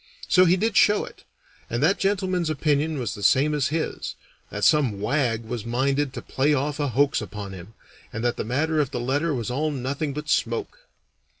So he did show it, and that gentleman's opinion was the same as his that some wag was minded to play off a hoax upon him, and that the matter of the letter was all nothing but smoke.